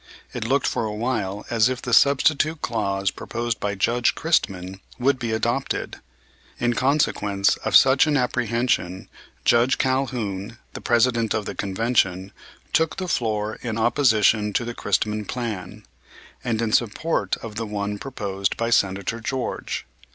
It looked for a while as if the substitute clause proposed by Judge Christman would be adopted. In consequence of such an apprehension, Judge Calhoun, the President of the Convention, took the floor in opposition to the Christman plan, and in support of the one proposed by Senator George.